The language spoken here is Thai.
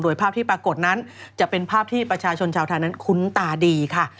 โดยภาพที่ปรากฏนั้นจะเป็นภาพที่ประชาชนชาวไทยนั้นคุ้นตาดีค่ะ